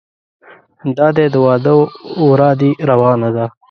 دادی د واده ورا دې روانه ده.